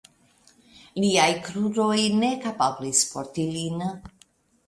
Liaj kruroj ne kapablis porti lin.